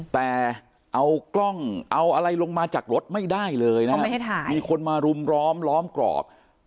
แต่เอากล้องเอาอะไรลงมาจากรถไม่ได้เลยนะเอาไม่ให้ถ่ายมีคนมารุมร้อมร้อมกรอบ